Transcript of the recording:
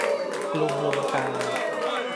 กรุงลงกา